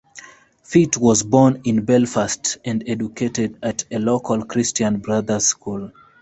Fitt was born in Belfast and educated at a local Christian Brothers school.